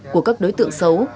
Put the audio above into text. của các đối tượng xấu